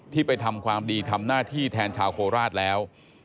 ไปทำความดีทำหน้าที่แทนชาวโคราชแล้ว